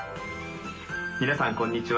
皆さんこんにちは。